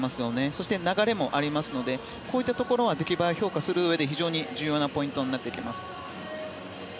そして流れもありますのでこういったところは出来栄え、評価するうえで非常に重要なポイントになってきます。